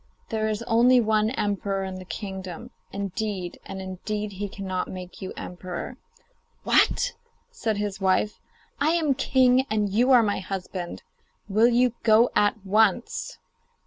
There is only one emperor in the kingdom. Indeed and indeed he cannot make you emperor.' 'What!' said his wife. 'I am king, and you are my husband. Will you go at once?